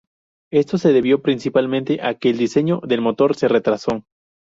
Esto se debió principalmente a que el diseño del motor se retrasó.